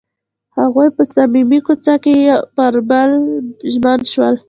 هغوی په صمیمي کوڅه کې پر بل باندې ژمن شول.